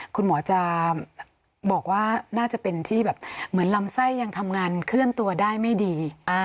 คุณหมอจะบอกว่าน่าจะเป็นที่แบบเหมือนลำไส้ยังทำงานเคลื่อนตัวได้ไม่ดี